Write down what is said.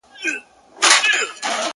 د ځوانيمرگ د هر غزل په سترگو کي يم-